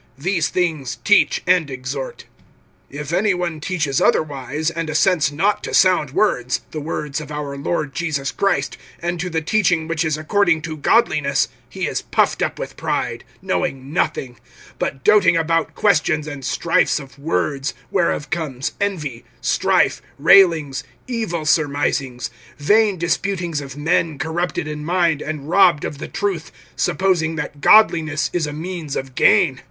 These things teach and exhort. (3)If any one teaches otherwise, and assents not to sound words, the words of our Lord Jesus Christ, and to the teaching which is according to godliness, (4)he is puffed up with pride, knowing nothing, but doting about questions and strifes of words, whereof comes envy, strife, railings, evil surmisings, (5)vain disputings of men corrupted in mind, and robbed of the truth, supposing that godliness is a means of gain.